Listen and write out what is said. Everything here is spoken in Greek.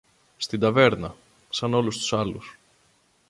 Στην ταβέρνα, σαν όλους τους άλλους.